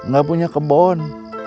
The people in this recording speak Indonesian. gak punya kebon